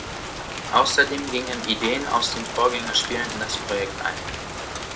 Außerdem gingen Ideen aus den Vorgängerspielen in das Projekt ein.